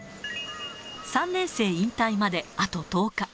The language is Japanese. ３年生引退まであと１０日。